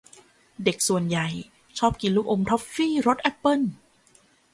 เด็กส่วนใหญ่ชอบกินลูกอมทอฟฟี่รสแอปเปิ้ล